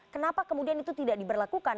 kenapa kemudian itu tidak diberlakukan